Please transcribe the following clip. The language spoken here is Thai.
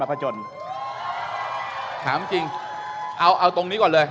คุณกาย